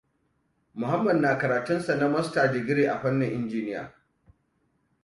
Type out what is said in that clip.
Mahammd na karatun sa na masta digri a fannin injiya.